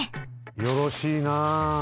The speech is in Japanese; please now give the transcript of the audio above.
よろしいな。